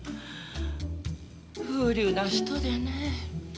風流な人でね。